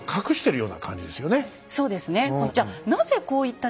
そうですねじゃ